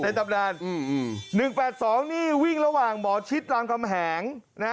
ในตำนาน๑๘๒นี่วิ่งระหว่างหมอชิดลำคำแหง